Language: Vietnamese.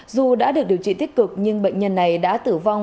dù đã được điều trị tích cực nhưng bệnh nhân này đã tử vong